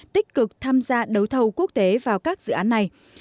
tích cực tham gia đấu thầu quốc tế vào các dự án này